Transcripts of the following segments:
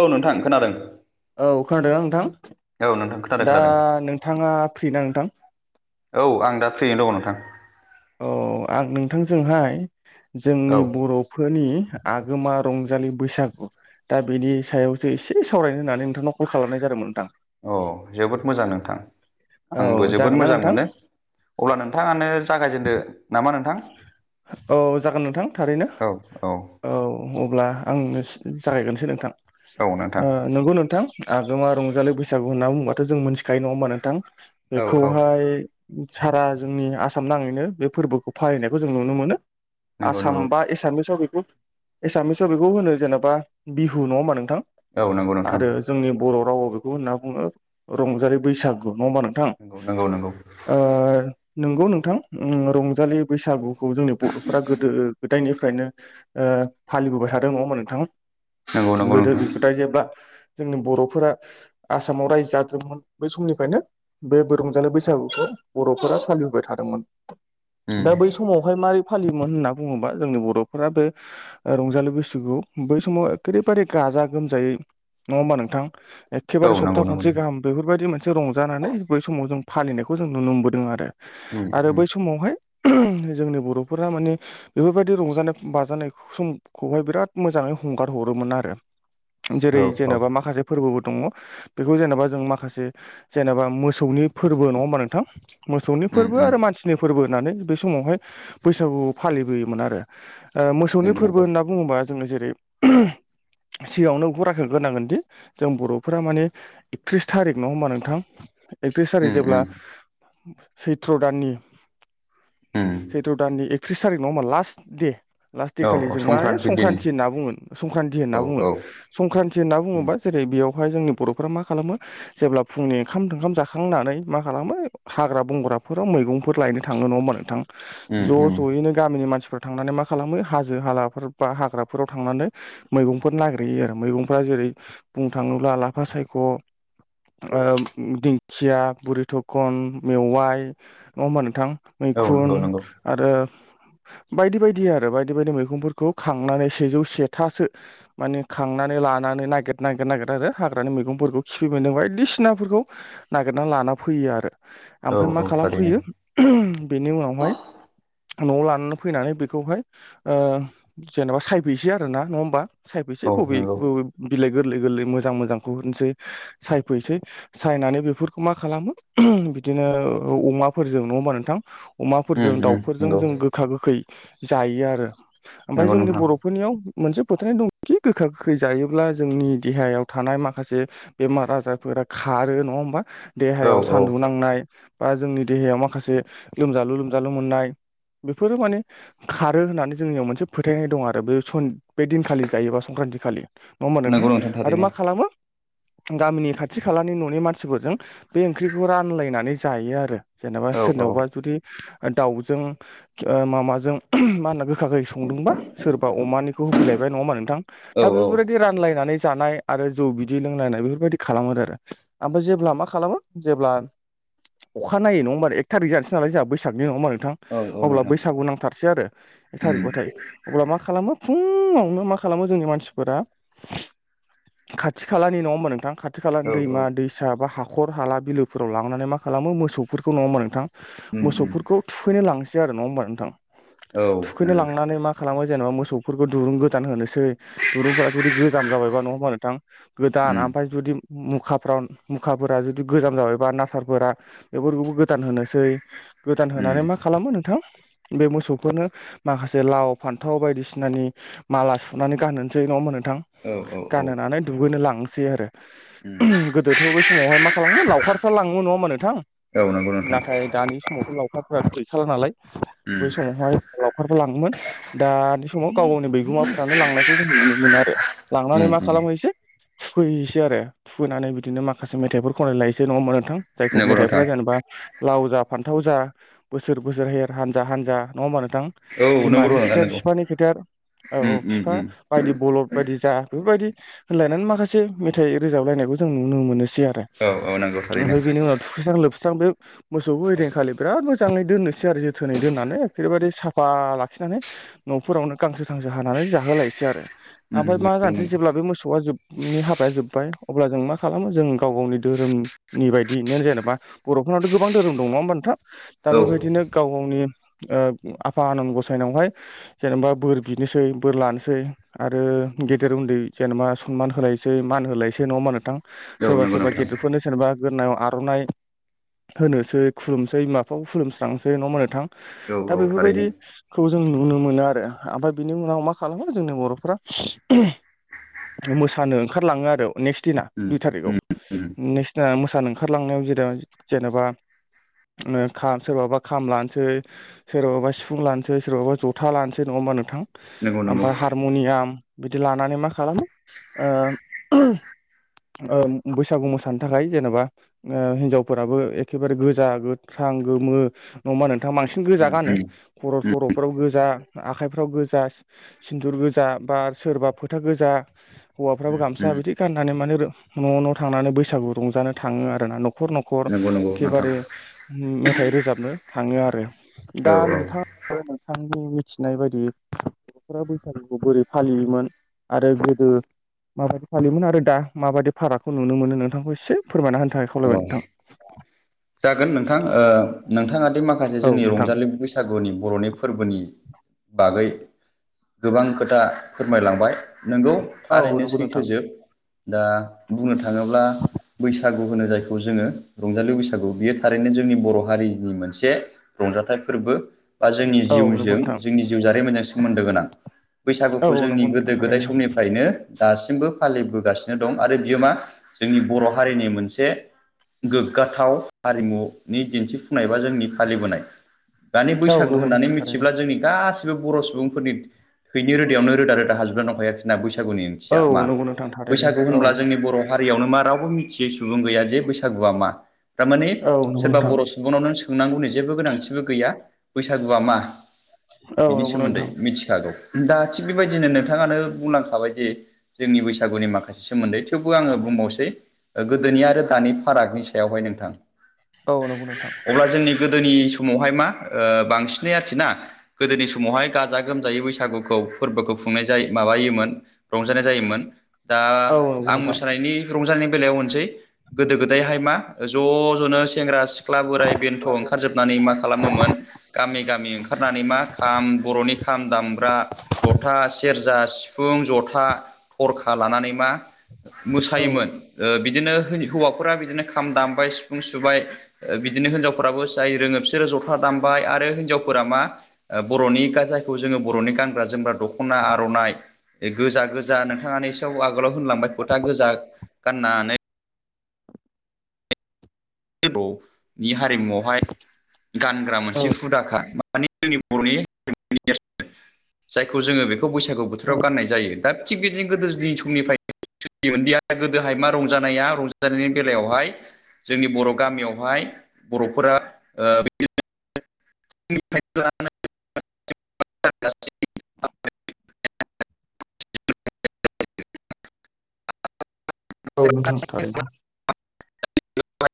औ नोंथां खोनादों औ खोनादोंना औ नोंथां खोनादों दा खोनादों नोंथाङा फ्रिना नोंथां औ आं दा फ्रियैनो दङ नोंथां औ आं नोंथांजोंहाय औ जोंनि बर' फोरोनि आगोमा रंजालि बैसागु दा बिनि सायावसो एसे सावरायनो होननानै नोंथांनाव कल खालामनाय जादोंमोन नोंथां अ जोबोद मोजां नोंथां औ आंबो जोबोद जागोन ना मोजां नोंथां मोनो अब्ला नोंथाङानो जागायजेनदो नामा नोंथां औ जागोन नोंथां थारैनो औ अब्ला आं जागायगोनसै नोंथां औ ओ नोंथां नंगौ नोंथां आगोमा रंजालि बैसागु होनना बुंबाथ' जों मोनथिखायो नङा ओमबा नोंथां औ औ बेखौहाय सारा जोंनि आसाम नाङैनो बे फोरबोखौ फालिनायखौ जों नुनो मोनो नंगौ आसाम नंगौ बा एसामिसाव बेखौ एसामिसाव बेखौ होनो जेनेबा बिहु नङा होमबा नोंथां औ नंगौ नोंथां आरो जोंनि बर' रावा बेखौ होनना बुङो रंजालि बैसागु नङा मानो होनबा नों थां नंगौ नंगौ नंगौ ओ नंगौ नोंथां उम रंजालि बैसागु खौ जोंनि बर'फोरा गोदो गोदायनिफ्रायनो फालिबोबाय थादों नङा ओमबा नोंथां नंगौ नंगौ गोदो नोंथां गोदाय जेब्ला जोंनि बर'फोरा आसामाव रायजो जादोंमोन बै समनिफ्रायनो बे रंजालि बैसागुखौ बर'फोरा फालिबोबाय थादोंमोन उम दा बै स समावहाय मारै फालिमोन होनना बुङोबा जोंनि बर'फोराबो रंजालि बैसागु बै समाव ओरैबादि गाजा गोमजायै नङा ओमबा नोंथां? औ एखेबारे सप्ता नंगौ नंगौ खनसे नोंथां गाहाम बेफोरबायदि मोनसे रंजानानै बै समाव जों फालिनायखौ जों नुनो मोनबोदों आरो। उम आरो उम बै समावहाय जोंनि बर'फोरा माने। बेफोरबायदि रंजानाय बाजानाय समखौहाय बिराद मोजाङै हंगार हरोमोन आरो। जेरै औ औ जेनेबा माखासे फोरबोबो दङ बेखौ जेनेबा जों माखासे जेनेबा मोसौनि फोरबो नङा होमबा नोंथां। मोसौनि उम फोरबो उम आरो मानसिनि फोरबो होननानै बे समावहाय बैसागु फालिबोयोमोन आरो। ओ मोसौनि नंगौ फोरबो नंगौ होनना बुङोबा जोङो जेरै सिगाङावनो बेखौ राखोग्रोनांगोनदि जों बर'फोरा माने एकथ्रिस थारिख नङा होमबा नोंथां एकथ्रिस थारिख उम जेब्ला उम सैत्र दाननि। उम। सैत्र दाननि एकथ्रिस थारिख नङा ओमबा लास्ट दिन लास्ट दे औ खालि औ जों मा दिन संक्रान्ति होनना बुङो संक्रान्ति होनना औ बुङो। औ संक्रान्ति होनना उम बुङोबा जेरै बेयावहाय जोंनि बर'फोरा मा खालामो जेब्ला फुंनि ओंखाम तोओंखाम जाखांनानै मा खालामो। हाग्रा बंग्राफोराव मैगंफोर लायनो थाङो नङा ओमबा नोंथां? उम ज' उम ज'यैनो गामिनि मानसिफोराव थांनानै मा खालामो हाजो हालाफोर बा हाग्राफोराव थांनानै। मैगंफोर नागिरहैयो आरो मैगंफोरा जेरै बुंनो थाङोब्ला लाफा सायख' ओ दिंखिया बुरि थखन मेवाइ नङा होमबा नोंथां औ नंगौ मैखुन नंगौ आरो। बायदि बायदि आरो बायदि बायदि मैगंफोरखौ खांनानै सेजौ सेथासो। माने खांनानै लानानै नागिर नागिर नागिर आरो हाग्रानि मैगंफोरखौ खिफि, मोनदों बायदिसिनाफोरखौ नागिरनानै लाना फैयो आरो औ ओमफ्राय मा औ थारैनो खालामफैयो बेनि उनावहाय न'वाव लानानै फैनानै बेखौहाय ओ जेनेबा सायफैनोसै आरोना नङा ओम सायफैनोसै औ बबे नंगौ बबे बिलाइ गोरलै गोरलै मोजां मोजांखौ होनसै सायफैसै। सायनानै बेफोरखौ मा खालामो बिदिनो अमाफोरजों नङा ओमबा नोंथां? उम अमाफोरजों, उम दाउफोरजों नंगौ जों गोखा गोखै जायो आरो ओमफ्राय नंगौ जोंनि नोंथां बर'फोरनियाव मोनसे फोथायनाय दंखि गोखा गोखै जायोब्ला जोंनि देहायाव थानाय माखासे। बेमार आजारफोरा खारो नङा होनबा? औ देहायाव औ सान्दुं नांनाय बा जोंनि देहायाव माखासे लोमजालु लोमजालु मोननाय बेफोरो माने। खारो होननानै जोंनियाव मोनसे फोथायनाय दं आरो बे स बे दिनखालि जायोबा संक्रान्ति खालि नङा होमबा नंगौ नोंथां आरो थारैनो मा खालामो। गामिनि खाथि खालानि न'नि मानसिफोरजों बे ओंख्रिखौ रानलायनानै जायो आरो। जेनेबा औ औ सोरनावबा जुदि दाउजों माबाजों मा होनो गोस गोखा खै संदोंबा सोरबा अमानिखौ होफैलायबाय नङोमा नोंथां औ दा औ बेफोरबादिनो बिदि रानलायनानै जानाय आरो जौ बिददि लोंलायनाय बेफोरबायदि खालामो आरो। ओमफ्राय जेब्ला मा खालामो जेब्ला अखा नायै नङा होनबा एक थारिक जानोसै। नालाय जोंहा बैसागनि नङा मा नोंथां औ औ अब्ला नोंथां बैसागु नांथारसै आरो एक थारिक उम बाथाय। अब्ला मा खालामो फुङावनो मा खालामो जोंनि मानसिफोरा खाथि खालानि नङा होनबा नोंथां। खाथि खालानि औ दैमा औ दैसा बा हाखर हाला बिलोफोराव लांनानै मा खालामो मोसौफोरखौ नङा होमबा नोंथां? उम उम मोसौफोरखौ थुखैनो लांसै आरो नङा होमबा नोंथां औ थुखैनो नंगौ लांनानै मा खालामबाय जेनेबा मोसौफोरखौ दुरुं गोदान होनोसै दुरुंफोरा जुदि गोजाम जाबायबा नङा होमबा नोंथां? गोदान उम ओमफ्राय जु मुखाफ्राव मुखाफोरा जुदि गोजाम जाबायबा नासारफोरा बेफोरखौबो गोदान होनोसै। गोदान उम होनानै मा खालामो नोंथां। बे मोसौफोरनो माखासे लाव फान्थाव बादिसिनानि माला सुनानै गानहोनोसै नङा होमबा नोंथां औ औ औ गानहोनानै दुगैनो लांसै आरो उम गोदोथ' बै समावहाय मा खालामोमोन लावखारफ्रा लाङोमोन नङा होमबा नोंथां औ नंगौ नोंथां नाथाय दानि समावथ' लावखारफोरा गैखाला नालाय बै उम समावहाय लाउखारफोरा लाङोमोन दानि समाव गाव गावनि बि- गुमाफोरानो लांनायखौ जों नुनो मोनो आरो। लांनानै उम मा उम खालाम हैनोसै थुखैहैसै आरो थुखैनानै बिदिनो माखासे मेथाइफोर खनलायलायनोसै नङा होनबा नोंथां जायखौ नंगौ नोंथां मेथाइफोरा जेनेबा लाव जा फान्थाव जा बोसोर बोसोर एर हानजा हानजा नङा होमबा नोंथां औ नंगौ र' बिमानि नोंथां खिथेर नंगौ बिफानि खिथेर औ उम औ बिफा उम उम बायदि बलद बायदि जा बेफोरबायदि होनलायनानै माखासे मेथाइ रोजाबलायनायखौ जों नुनो मोनोसै आरो औ औ नंगौ थारैनो ओमफ्राय बिनि उनाव थुखैस्रां लोबस्रां बे मोसौ खौबो ओइदिनखालि बिराद मोजाङै दोननोसै आरो जोथोनै दोननानै बेफोरबायदि साफा लाखिनानै न'फोरावनो गांसो थांसो हानानै जाहोलायसै आरो उम ओमफ्राय मा नंगौ जानो सै नंगौ जेब्ला बे मोसौआ जोबनि हाबाया जोब्बाय अब्ला जों मा खालामो जों गाव गावनि धोरोम नि बायदि नो जेनेबा बर'फोरनावथ' गोबां धोरोम दं नङा होमबा नोंथां दा औ बेबायदिनो गाव गावनि ओ आफा आनान गसायनायावहाय जेनेबा बोर बिनोसै बोर लानोसै आरो गेदेर उन्दै जेनेबा सनमान होलायसै मान होलायसै नङा होनबा नोंथां औ सोरबा नंगौ सोरबा नोंथां गेदेरफोरनो सोरनोबा गोदोनायाव आर'नाइ होनोसै खुलुमसै बिमा बिफाखौ खुलुमस्रांसै नंङा होमबा नोंथां औ दा औ थारैनो बेफोरबायदि खौ जों नुनो मोनो आरो ओमफ्राय बिनि उनाव मा खालामो जोंनि बर'फ्रा मोसानो ओंखारलाङो आरो नेक्स्ट दिना उम दुइ उम थारिकाव नेक्स्ट दिना मोसानो ओंखारलांनायाव जेनेबा जेनेबा ओ खा सोरबाबा खाम लानोसै सोरबाबा सिफुं लानोसै सोरबाबा जथा लानोसै नङाबा नोंथां नंगौ नंगौ ओमफ्राय हा- हारमुनियाम बिदि लानानै मा खालामो ओ बैसागु मोसानो थाखाय जेनेबा ओ हिनजावफोराबो एखेबारे गो- जा गोथां गोमो नङा होमबा नोंथां बांसिन गोजा उम गानो उम खर' थर'फ्राव गोजा आखाइफ्राव गोजा सिन्दुर गोजा बा सोरबा फोथा गोजा हौवाफ्राबो उम गामसा उम बिदि गाननानै माने न' न' थांनानै बैसागु रंजानो थाङो आरो ना न'खर न'खर - खर नंगौ नंगौ नोंथां एखेबारे मेथाइ रोजाबनो थाङो आरो। दा औ औ नोंथां [unintelligible] नोंथांनि मिथिनाय बायदि बर'फोरा बैसागुखौ बोरै फालियोमोन आरो गोदो माबायदि फालियोमोन आरो दा माबायदि फारागखौ नुनो मोनो नोंथांखौ एसे फोरमायना होनथाखाय औ जागोन ओ नोंथां ओ नोंथाङा दि माखासे औ जोंनि नोंथां रंजालि बै- बैसागुनि बर'नि फोरबोनि बागै गोबां खोथा फोरमायलांबाय नोंगौ औ थारैनो नंगौ नोंथां सैथोजोब दा बुंनो थाङोब्ला बैसागु होनो जायखौ जोङो रंजालि बैसागु बियो थारैनो जोंनि बर' हारिनि मोनसे रंजाथाइ फोरबो बा जोंनि औ नंगौ जिउजों नोंथां जोंनि जिउ जारिमिनजों सोमोन्दो गोनां। औ बैसागुखौ जोंनि नंगौ नोंथां गोदो गोदाय थारैनो समनिफ्रायनो दासिमबो फालिबोगासिनो दं आरो बियो मा जोंनि बर' हारिनि मोनसे गोग्गाथाव हारिमुनि दिन्थिफुंनाय बा जोंनि फालिबोनाय दानि औ बैसागु नंगौ होननानै नोंथां थारैनो मिथिब्ला जोंनि गासिबो बर' सुबुंफोरनि थैनि रोदायावनो रोदा रोदा हाजोबना दंखायो आरोखिना बैसागुनि औ थिया मा नंगौ नोंथां थारैनो बैसागु औ होनब्ला जोंनि बर' हारियावनो मा रावबो मिथियोै सुबुं गैया जे बैसागुआ मा थारमाने औ नंगौ सोरबा नोंथां बर' सुबुंआ सुबुंनाव नों सोंनांगौनि जेबो गोनांथिबो गैया बैसागुआ मा औ बिनि नंगौ सोमोन्दै नोंथां मिथिखागौ दा थिग बेबायदिनो नोंथाङानो बुंलांखाबाय जे जोंनि बैसागुनि माखासे सोमोन्दै थेवबो आङो बुंबावसै गोदोनि आरो दानि फारागनि सायावहाय नोंथां औ नंगौ नोंथां अब्ला जोंनि गोदोनि समावहाय मा ओ बांसिनै आरोखि ना गोदोनि समावहाय गाजा गोमजायै बैसागुखौ फोरबोखौ खुंनाय जायो माबायोमोन रंजानाय जायोमोन दा औ नंगौ आं नोंथां मोसानायनि रंजानायनि बेलायाव होनसै गोदो गोदाय जायहाय मा ज' ज'नो सेंग्रा सिख्ला बोराय बेन्थ' औ ओंखारजोबनानै मा खालामोमोन गामि गामि ओंखारनानै मा खाम बर'नि खाम दामग्रा जथा सेरजा, सिफुं, जथा, थरखा लानानै मा मोसायोमोन औ बिदिनो हौवाफोरा बिदिनो खाम दामबाय सिफुं सुबाय बिदिनो हिनजावफोराबो जाय रोङो फिसोरो जथा दामबाय आरो हिनजावफोरा मा बर'नि गाजायखौ जोङो बर'नि गानग्रा जोमग्रा दख'ना आर'नाइ गोजा गोजा नोंथाङानो एसेयाव आगोलाव होनलांबाय फोथा गोजा गाननानै बेथ' बेयो हारिमुआवहाय गानग्रा मोनसे हुदाखा मानि जोंनि बर'नि गोदोनि नेरसोन [unintelligible] जायखौ जोङो बेखौ बैसागु औ बोथोराव गाननाय जायो दा थिग बिदिनो गोदो दिनि समनिफ्राय सोलियोमोनदिया गोदोहाय मा रंजानाया रंजानायनि बेलायावहाय जोंनि बर' गामियावहाय बर'फोरा ओ [unintelligible] फुंनिफाय [unintelligible] लानानै औ नोंथां थारैनो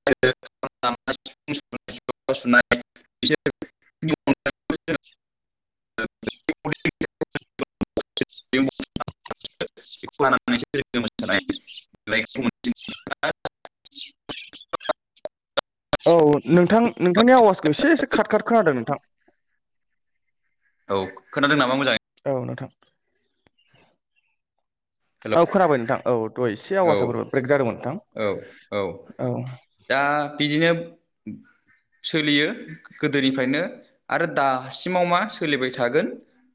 जेरै खाम दामनाय सिफुं सुनाय बिसोर [unintelligible] [unintelligible] [inaudible] [unintelligible] [unintelligible] औ नोंथां नोंथांनि आवाजखौ एसे एसे खथखार खोनादों नोंथां औ खोनादों नामा मोजाङै औ नोंथां हेल' औ खोनाबाय नोंथां औ दहाय एसे औ आवासा बोरैबा ब्रेक जादोंमोन औ औ नोंथां औ दा बिदिनो सोलियो गोदोनिफ्रायनो आरो दासिमाव मा सोलिबाय थागोन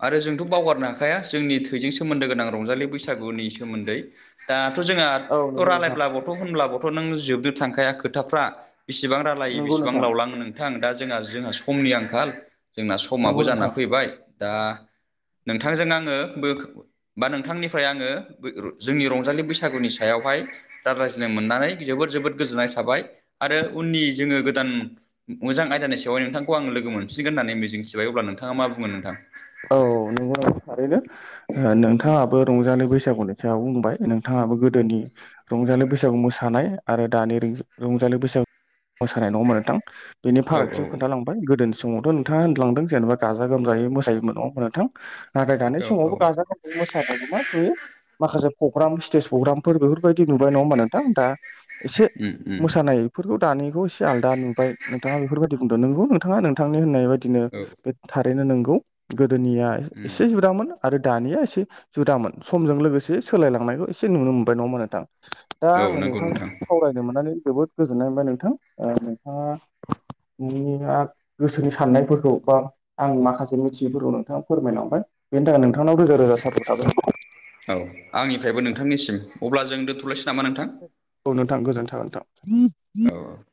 आरो जोंथ' बावगारनोहाखाया जोंनि थैजों सोमोन्दो गोनां रंजालि बैसागुनि सोमोन्दै दाथ' जोंहा औ नंगौ नोंथां रायलायब्लाबोथ' होनब्लाबोथ' नों जोबनो थांखाया खोथाफ्रा बिसिबां रायलायो नंगौ बिसिबां नोंथां लावलाङो नोंथां दा जोंहा जोंहा समनि आंखाल जोंना नंगौ समाबो जाना नोंथां फैबाय दा नोंथांजों आङो बो बा नोंथांनिफ्राय आङो जोंनि रंजालि बैसागुनि सायावहाय दा रायज्लायनो मोननानै जोबोद जोबोद गोजोननाय थाबाय आरो उननि जोङो गोदान मोजां आयदानि सायावहाय नोंथांखौ आङो लोगो मोनफिनगोन होननानै मिजिं थिबाय अब्ला नोंथाङा मा बुंगोन नोंथां औ नोङो थारैनो नोंथाङाबो रंजालि बैसागुनि सायाव बुंबाय नोंथाङाबो गोदोनि रंजालि बैसागु मोसानाय आरो दानि रंजालि बैसागु मोसानाय नङा होनबा नोंथां बेनि औ औ फारागथिखौ खोनथालांबाय गोदो समावथ' नोंथाङा होनलांदों जेनेबा गाजा गोमजायै मोसायोमोन औ नोंथां नाथाय दानि औ औ समावबो गाजा मोसाबावौ मा नुयो माखासे प्रग्राम स्टेज प्रग्रामफोर बेफोरबायदि नुबाय नङा होनोमा नोंथां दा एसे उम उम मोसानाय बेफोरखौ दानायखौ एसे आलादा नुबाय नोंथाङा बेफोरबायदि बुंदों नोंगौ नोंथाङा नोंथांनि होननाय बायदिनो औ बे थारैनो नोंगौ गोदोनिया उम एसे जुदामोन आरो दानिया एसे जुदामोन समजों लोगोसे सोलायलांनायखौ एसे नुनो मोनबाय नङा होमबा नोंथां दा औ आङो नंगौ नोंथां सावरायनो मोननानै जोबोद गोजोननाय मोनबाय नोंथां नोंथाङा [unintelligible] गोसोनि साननायफोरखौ बा आं माखासे मिथि जिफोरखौ नोंथाङा फोरमायलांबाय बेनि थाखाय नोंथांनाव रोजा रोजा साबायखर थाबाय औ आंनिफ्रायबो नोंथांनिसिम अब्ला जों दोन्थ'लायसै नामा नोंथां औ नोंथां गोजोनथों नोंथां औ